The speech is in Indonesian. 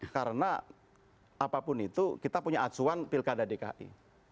karena apapun itu kita punya acuan pilkada dki